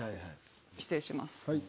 失礼します。